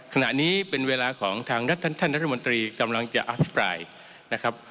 ขณะนี้เป็นเวลาของทางรัฐท่านรัฐมนตรีกำลังจะอภิปรายนะครับ